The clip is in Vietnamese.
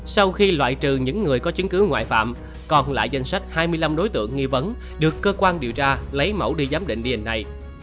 sau khi loại trừ những người có chứng cứ ngoại phạm còn lại danh sách hai mươi năm đối tượng nghi vấn được cơ quan điều tra lấy mẫu đi giám định ghi hình này